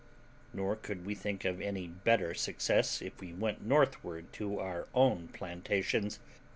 Nor could we think of any better success if we went northward to our own plantations.